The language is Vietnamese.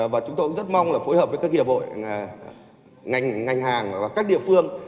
và chúng tôi cũng rất mong là phối hợp với các nghiệp ngành hàng và các địa phương